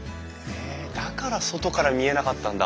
だから外から見えなかったんだ。